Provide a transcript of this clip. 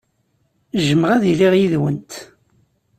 Jjmeɣ ad iliɣ yid-went.